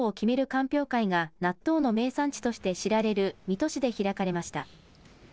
鑑評会が、納豆の名産地として知られる水戸市で開かれました。